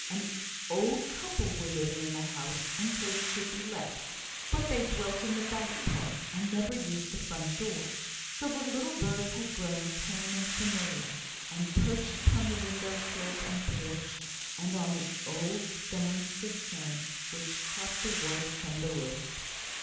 An old couple were living in the house until it should be let, but they dwelt in the back part, and never used the front door; so the little birds had grown tame and familiar, and perched upon the window sills and porch, and on the old stone cistern which caught the water from the roof.